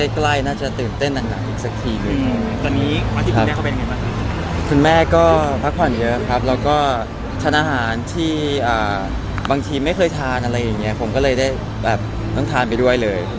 คุณแม่เขาเป็นไงบ้างคุณแม่ก็พักผ่อนเยอะครับแล้วก็ทานอาหารที่บางทีไม่เคยทานอะไรอย่างเงี้ยผมก็เลยได้แบบต้องทานไปด้วยเลย